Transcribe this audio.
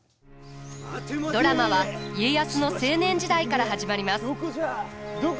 ドラマは家康の青年時代から始まります。